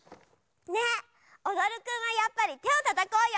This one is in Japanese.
ねっおどるくんはやっぱりてをたたこうよ！